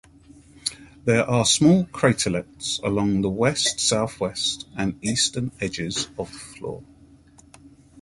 There are small craterlets along the west-southwest and eastern edges of the floor.